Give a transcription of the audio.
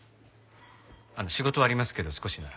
仕事ありますけど少しなら。